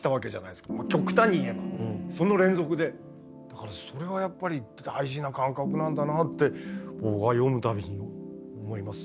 だからそれはやっぱり大事な感覚なんだなって僕は読む度に思います